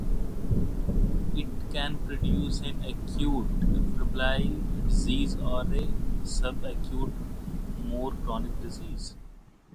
It can produce an acute febrile disease or a subacute, more chronic disease.